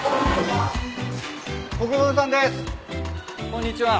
こんにちは。